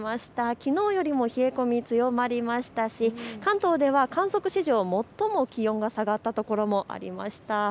きのうよりも冷え込み強まりましたし関東では観測史上、最も気温が下がったところもありました。